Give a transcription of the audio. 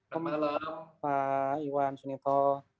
selamat malam pak iwan sunito